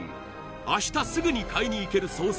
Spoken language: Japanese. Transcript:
明日すぐに買いに行ける惣菜